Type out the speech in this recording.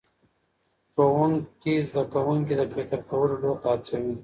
ښوونکی زده کوونکي د فکر کولو لور ته هڅوي